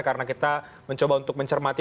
karena kita mencoba untuk mencermati